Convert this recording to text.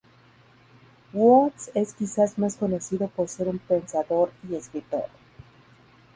Woods es quizás más conocido por ser un pensador y escritor.